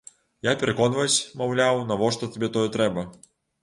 Я пераконваць, маўляў, навошта табе тое трэба?